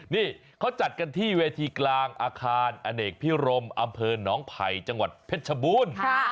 นี่เขาจัดกันที่เวทีกลางอาคารอเนกพิรมอำเภอหนองไผ่จังหวัดเพชรชบูรณ์